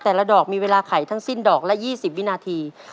แต่ละดอกมีเวลาไขทั้งสิ้นดอกละ๒๐วินาที